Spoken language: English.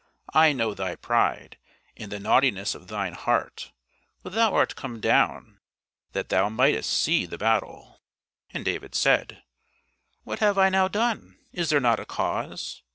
I know thy pride, and the naughtiness of thine heart; for thou art come down that thou mightest see the battle. And David said, What have I now done? Is there not a cause?